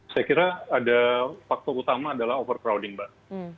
saya kira ada faktor utama adalah overcrowding mbak